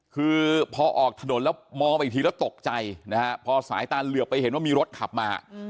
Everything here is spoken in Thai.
คือพอออกถนนแล้วมองไปอีกทีแล้วตกใจนะฮะพอสายตาเหลือบไปเห็นว่ามีรถขับมา